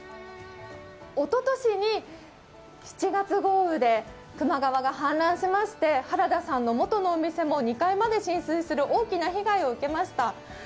おととしに７月豪雨で球磨川が氾濫しまして原田さんの元のお店も２階まで浸水する大きな被害を受けました。